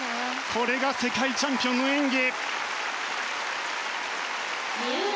これが世界チャンピオンの演技！